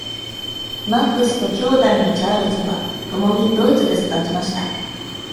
マックスと兄弟のチャールズはともにドイツで育ちました。